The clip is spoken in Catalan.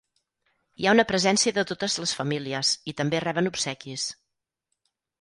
Hi ha una presència de totes les famílies i també reben obsequis.